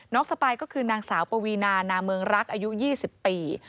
สปายก็คือนางสาวปวีนานาเมืองรักอายุ๒๐ปี